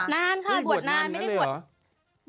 นานค่ะบวชนานไม่ได้บวช